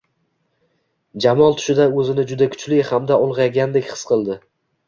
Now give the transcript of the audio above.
Jamol tushida o`zini juda kuchli hamda ulg`aygandek his qildi